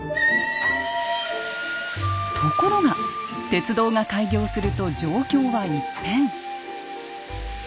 ところが鉄道が開業すると状況は一変。